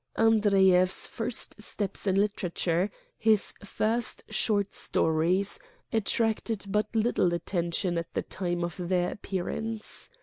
" Andreyev's first steps in literature, his first short stories, attracted but little attention at the time of their appearance.